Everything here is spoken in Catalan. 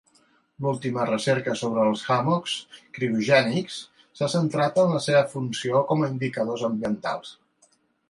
L'última recerca sobre els hummocks criogènics s'ha centrat en la seva funció com a indicadors ambientals.